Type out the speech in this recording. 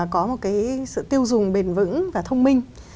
có một cái sự tiêu dùng bền vững và thông minh